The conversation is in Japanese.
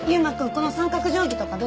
この三角定規とかどうする？